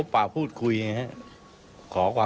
ให้เสร็จก่อนนะครับ